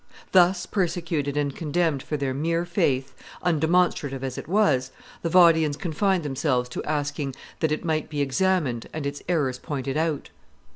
Thus persecuted and condemned for their mere faith, undemonstrative as it was, the Vaudians confined themselves to asking that it might be examined and its errors pointed out.